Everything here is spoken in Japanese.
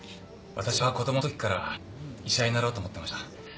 私は子供のときから医者になろうと思ってました。